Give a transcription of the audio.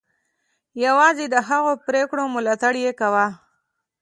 یوازې د هغو پرېکړو ملاتړ یې کاوه.